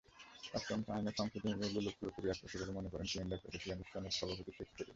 Customs আইনের সংশোধনীগুলো পুরোপুরি একপেশে বলে মনে করেন সিঅ্যান্ডএফ অ্যাসোসিয়েশনের সভাপতি শেখ ফরিদ।